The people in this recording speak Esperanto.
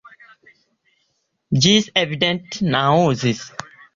Ĝi evidente naŭzis.